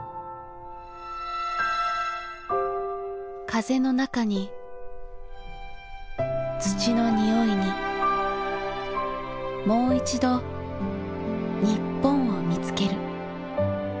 風の中に土の匂いにもういちど日本を見つける。